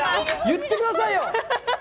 言ってくださいよ！